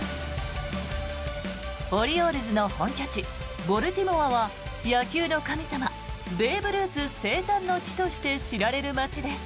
オリオールズの本拠地ボルティモアは野球の神様ベーブ・ルース生誕の地として知られる街です。